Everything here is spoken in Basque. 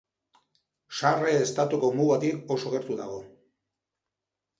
Sarre estatuko mugatik oso gertu dago.